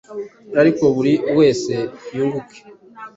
ariko buri wese yunguke